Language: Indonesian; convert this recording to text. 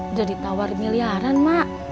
udah ditawar miliaran mak